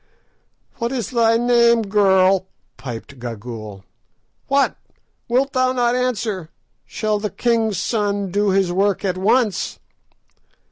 "What is thy name, girl?" piped Gagool. "What! wilt thou not answer? Shall the king's son do his work at once?"